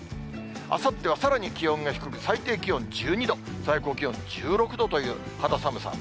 あさってはさらに気温が低く、最低気温１２度、最高気温１６度という肌寒さ。